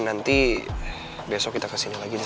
nanti besok kita kesini lagi nih